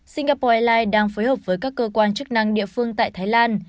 singapore airlines đang phối hợp với các cơ quan chức năng địa phương tại thái lan